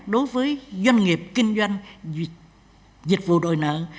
đối với doanh nghiệp kinh doanh dịch vụ đòi nợ